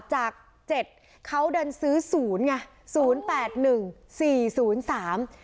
จากเจ็ดเขาเดินซื้อศูนย์ไงศูนย์แปดหนึ่งสี่ศูนย์สาม